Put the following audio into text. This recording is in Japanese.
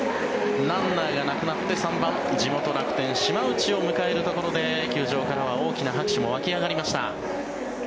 ランナーがなくなって３番、地元・楽天島内を迎えるところで球場からは大きな拍手も湧き上がりました。